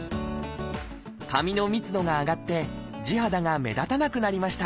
髪の密度が上がって地肌が目立たなくなりました。